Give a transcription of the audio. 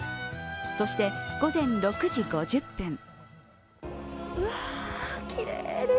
そして、午前６時５０分。